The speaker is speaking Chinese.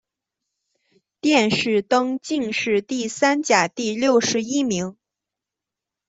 殿试登进士第三甲第六十一名。